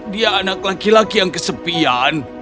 dia anak laki laki yang kesepian